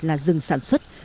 là rừng sản xuất